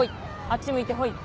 あっち向いてほい。